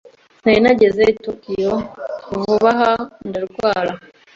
Sinari nageze i Kyoto vuba aha ndarwara.